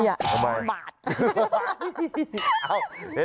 ละว่านสิ